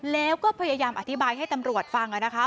แล้วก็พยายามอธิบายให้ตำรวจฟังนะคะ